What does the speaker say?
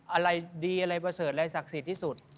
อะไรดีอะไรประเสริฐอะไรศักดิ์สิทธิ์ที่สุด